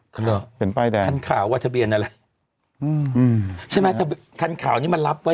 หรอเป็นป้ายแดงคันข่าวว่าทะเบียนอะไรอืมใช่ไหมคันข่าวนี้มันรับไว้